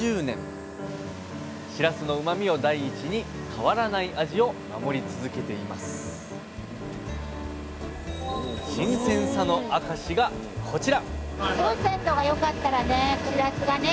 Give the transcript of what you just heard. しらすのうまみを第一に変わらない味を守り続けていますこちら！